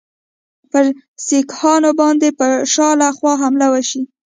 پر سیکهانو باندي به شا له خوا حمله وشي.